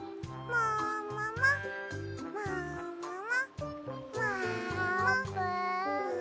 もももももも。